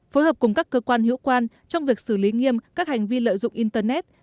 phối hợp cùng các cơ quan hữu quan trong việc xử lý nghiêm các hành vi lợi dụng internet